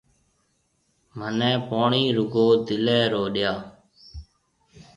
مهنَي پوڻِي رُگو دِليَ رو ڏيا۔